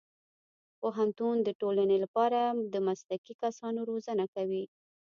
پوهنتون د ټولنې لپاره د مسلکي کسانو روزنه کوي.